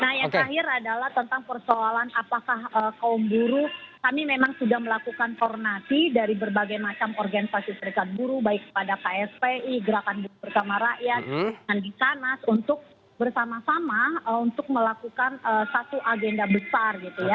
nah yang terakhir adalah tentang persoalan apakah kaum buru kami memang sudah melakukan koordinasi dari berbagai macam organisasi serikat buruh baik pada kspi gerakan bersama rakyat dan di sana untuk bersama sama untuk melakukan satu agenda besar gitu ya